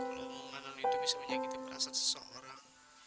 kalau mengandung hidung bisa menyakiti perasaan seseorang